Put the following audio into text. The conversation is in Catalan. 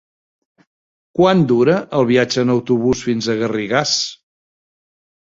Quant dura el viatge en autobús fins a Garrigàs?